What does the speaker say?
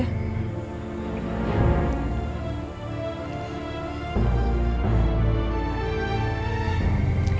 aku akan membeli bantuan